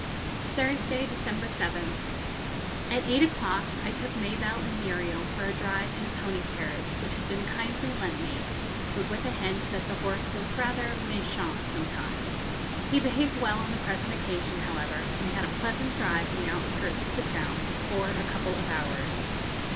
Thursday, December 7th. At eight o'clock I took Mabelle and Muriel for a drive in a pony carriage which had been kindly lent me, but with a hint that the horse was rather méchant sometimes. He behaved well on the present occasion, however, and we had a pleasant drive in the outskirts of the town for a couple of hours.